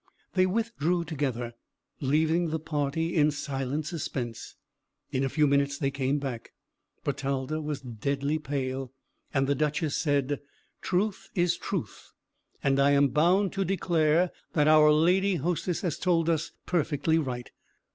They withdrew together, leaving the party in silent suspense. In a few minutes they came back; Bertalda was deadly pale, and the Duchess said, "Truth is truth, and I am bound to declare that our Lady Hostess has told us perfectly right.